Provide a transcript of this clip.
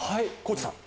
地さん。